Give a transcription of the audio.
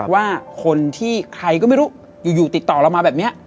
ว่าคนที่ใครก็ไม่รู้อยู่ติดต่อเรามาแบบนี้